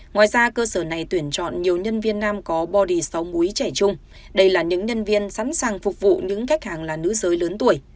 ngoài ra cơ sở này tuyển chọn nhiều nhân viên nam có bo đi sáu múi trẻ chung đây là những nhân viên sẵn sàng phục vụ những khách hàng là nữ giới lớn tuổi